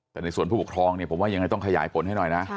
แต่ในส่วนผู้ปกครองเนี่ยผมว่ายังไงต้องขยายผลให้หน่อยนะ